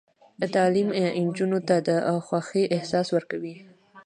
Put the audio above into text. تعلیم نجونو ته د خوښۍ احساس ورکوي.